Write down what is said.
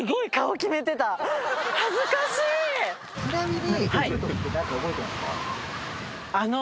ちなみに。